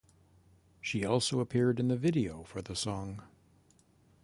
She also appeared in the video for the song.